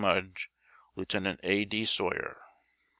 MUDGE. LIEUT. A. D. SAWYER.